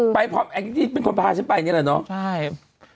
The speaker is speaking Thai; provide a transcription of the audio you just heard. ไปพอแองจิเป็นคนพาฉันไปนี่แหละเนาะ